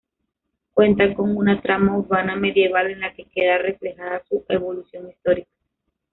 Cuenta con una trama urbana medieval en la que queda reflejada su evolución histórica.